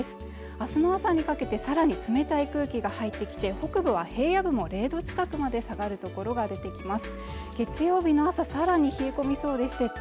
明日の朝にかけてさらに冷たい空気が入ってきて北部は平野部も０度近くまで下がる所が出てきます